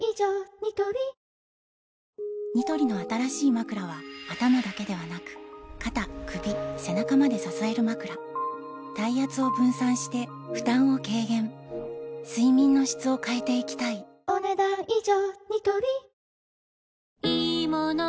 ニトリニトリの新しいまくらは頭だけではなく肩・首・背中まで支えるまくら体圧を分散して負担を軽減睡眠の質を変えていきたいお、ねだん以上。